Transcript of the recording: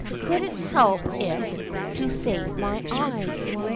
Couldn't help it to save my eye.